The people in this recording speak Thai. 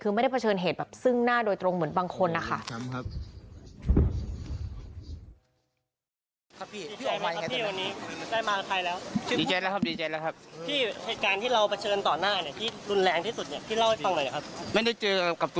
คือไม่ได้เผชิญเหตุแบบซึ่งหน้าโดยตรงเหมือนบางคนนะคะ